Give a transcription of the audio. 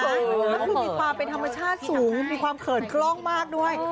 ก็คือมีความเป็นธรรมชาติสูงมีความเขินคล่องมากด้วย